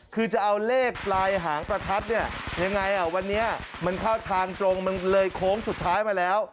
คือจะเอาเลขปลายหางประทัดเนี่ยยังไงอ่ะวันนี้มันเข้าทางตรงมันเลยโค้งสุดท้ายมาแล้ว